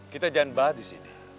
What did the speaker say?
kita jangan bahas di sini